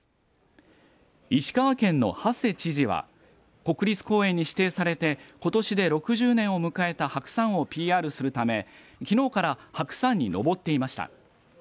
石川県の馳知事は国立公園に指定されてことしで６０年を迎えた白山をＰＲするため、きのうから白山に登っていました。